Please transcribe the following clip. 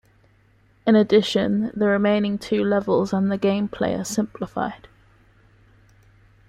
In addition, the remaining two levels and the gameplay are simplified.